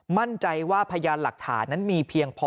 มั่นใจว่าพยานหลักฐานนั้นมีเพียงพอ